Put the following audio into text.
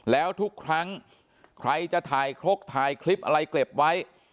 แล้วทุกครั้งใครจะถ่ายครกถ่ายคลิปอะไรเก็บไว้